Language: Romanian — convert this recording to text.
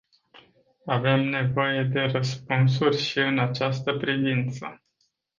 Avem nevoie de răspunsuri și în această privință.